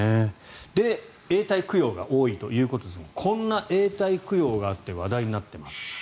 永代供養が多いということですがこんな永代供養があって話題になっています。